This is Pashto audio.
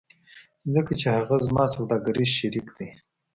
ځکه چې هغه زما سوداګریز شریک دی